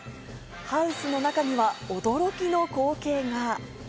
ハウスの中には驚きの光景が。